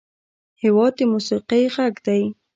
هېواد د موسیقۍ غږ دی.